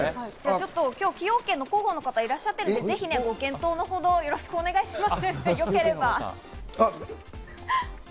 今日、崎陽軒の広報の方がいらっしゃっているので、どうぞご検討のほうよろしくお願いします。